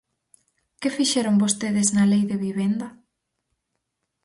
¿Que fixeron vostedes na Lei de vivenda?